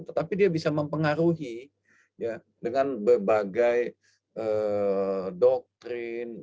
tetapi dia bisa mempengaruhi dengan berbagai doktrin